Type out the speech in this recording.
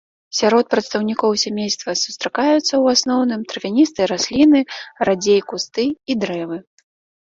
Сярод прадстаўнікоў сямейства сустракаюцца, у асноўным, травяністыя расліны, радзей кусты і дрэвы.